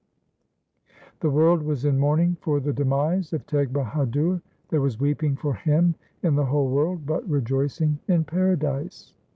The world was in mourning for the demise of Teg Bahadur ; There was weeping for him in the whole world, but rej oicing in paradise.